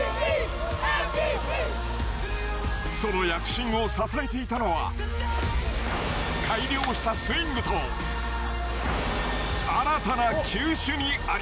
その躍進を支えていたのは改良したスイングと新たな球種にありました。